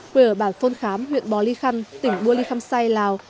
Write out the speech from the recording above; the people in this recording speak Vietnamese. quay ở bản phôn khám huyện bò ly khăn tỉnh bùa ly khăm say lào